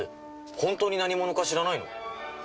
本当に何者か知らないの？